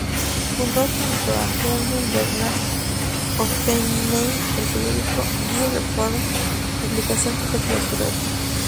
Fundó junto a Heinrich Bernhard Oppenheim el periódico "Die Reform", publicación que fue clausurada.